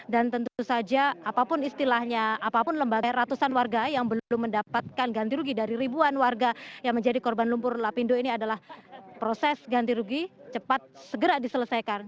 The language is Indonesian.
dan tentu saja apapun istilahnya apapun lembaga ratusan warga yang belum dapatkan ganti rugi dari ribuan warga yang menjadi korban lumpur lapindo ini adalah proses ganti rugi cepat segera diselesaikan